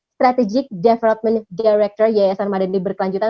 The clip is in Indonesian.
strategic development director yayasan madani berkelanjutan